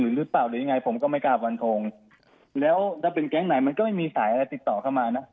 หรือเปล่าหรือยังไงผมก็ไม่กล้าฟันทงแล้วถ้าเป็นแก๊งไหนมันก็ไม่มีสายอะไรติดต่อเข้ามาเนอะ